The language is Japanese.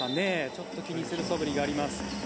ちょっと気にするそぶりがあります。